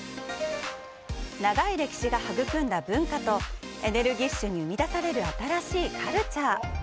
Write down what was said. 長い歴史が育んだ文化とエネルギッシュに生み出される新しいカルチャー。